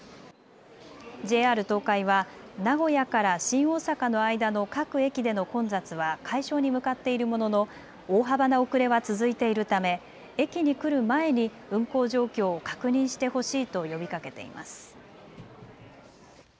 ＪＲ東海は名古屋から新大阪の間の各駅での混雑は解消に向かっているものの大幅な遅れは続いているため駅に来る前に運行状況を確認してほしいと呼びかけています。